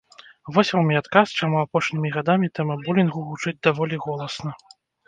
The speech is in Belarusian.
Вось вам і адказ, чаму апошнімі гадамі тэма булінгу гучыць даволі голасна.